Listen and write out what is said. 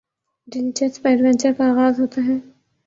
دلچسپ ایڈونچر کا آغاز ہوتا ہے